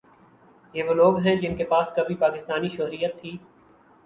یہ وہ لوگ ہیں جن کے پاس کبھی پاکستانی شہریت تھی